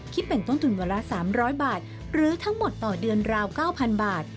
คิดเป็นต้นทุนวันละ๓๐๐บาทหรือทั้งหมดต่อเดือนราว๙๐๐บาท